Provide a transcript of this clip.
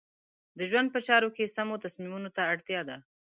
د ژوند په چارو کې سمو تصمیمونو ته اړتیا ده.